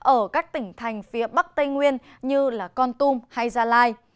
ở các tỉnh thành phía bắc tây nguyên như con tum hay gia lai